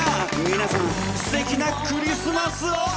皆さんすてきなクリスマスを！